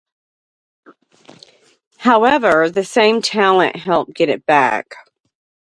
However, the same talent helped get it back.